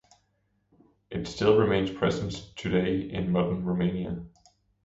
It still remains present today in modern Romania.